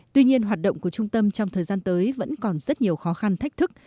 tuy nhiên hoạt động của trung tâm trong thời gian tới vẫn còn rất nhiều khó khăn thách thức